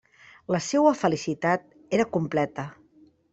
La seua felicitat era completa.